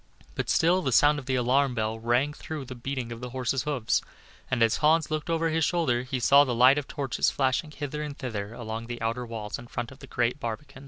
But still the sound of the alarm bell rang through the beating of the horses' hoofs, and as Hans looked over his shoulder, he saw the light of torches flashing hither and thither along the outer walls in front of the great barbican.